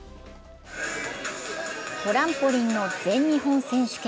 トランポリンの全日本選手権。